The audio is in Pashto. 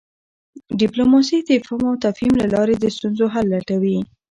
ډیپلوماسي د افهام او تفهیم له لاري د ستونزو حل لټوي.